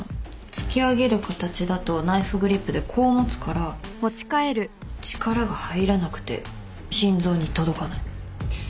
突き上げる形だとナイフグリップでこう持つから力が入らなくて心臓に届かない。